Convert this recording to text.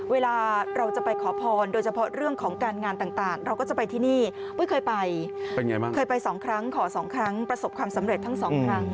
เวลาเราจะไปขอพรโดยเฉพาะเรื่องของการงานต่างเราก็จะไปที่นี่เพิ่งเคยไปเคยไปสองครั้งขอสองครั้งประสบความสำเร็จทั้งสองครั้ง